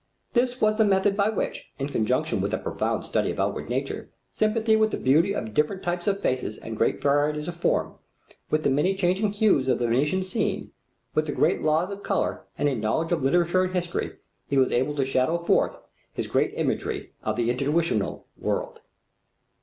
"This was the method by which, in conjunction with a profound study of outward nature, sympathy with the beauty of different types of face and varieties of form, with the many changing hues of the Venetian scene, with the great laws of color and a knowledge of literature and history, he was able to shadow forth his great imagery of the intuitional world."